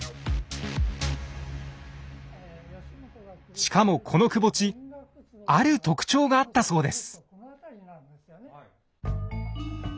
しかもこのくぼ地ある特徴があったそうです。